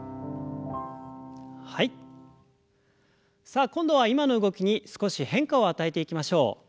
さあ今度は今の動きに少し変化を与えていきましょう。